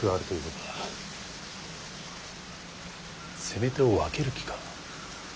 攻め手を分ける気か。